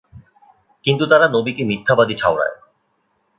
কিন্তু তারা নবীকে মিথ্যাবাদী ঠাওরায়।